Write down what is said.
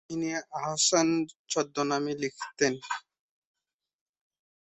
তিনি আহসান ছদ্মনামে লিখতেন।